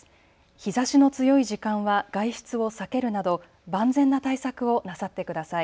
日ざしの強い時間は外出を避けるなど万全の対策をなさってください。